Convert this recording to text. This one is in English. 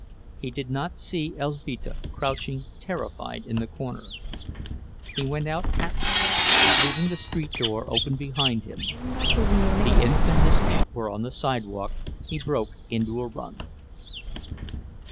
He did not see Elzbieta, crouching terrified in the corner. He went out, hatless, leaving the street door open behind him. The instant his feet were on the sidewalk he broke into a run.